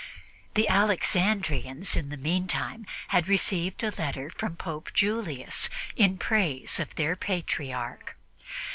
The Alexandrians, in the meantime, had received a letter from Pope Julius in praise of their Patriarch.